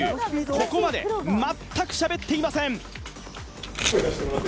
ここまで全くしゃべっていません